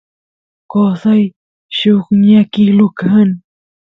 qosay lluqñakilu kan